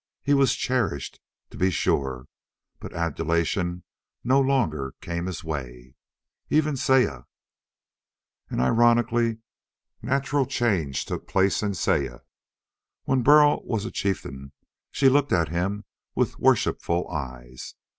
He was cherished, to be sure, but adulation no longer came his way. Even Saya.... An ironically natural change took place in Saya. When Burl was a chieftain, she looked at him with worshipful eyes.